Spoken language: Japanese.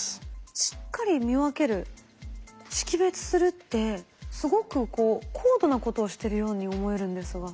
しっかり見分ける識別するってすごくこう高度なことをしてるように思えるんですが。